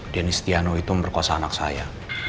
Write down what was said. dennis tiano itu merkosa anak saya